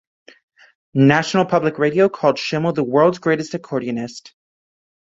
National Public Radio called Schimmel the world's greatest accordionist.